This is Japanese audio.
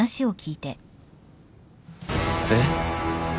えっ？